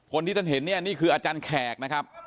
ท่านเห็นเนี่ยนี่คืออาจารย์แขกนะครับ